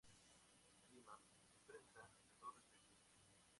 Lima: Imprenta de Torres Aguirre.